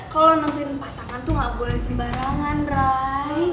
kalo nontonin pasangan tuh gak boleh sembarangan raya